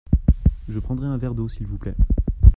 Je prendrai un verre d’eau s’il vous plait.